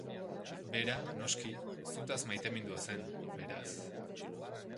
Bera, noski, zutaz maitemindua zen, beraz...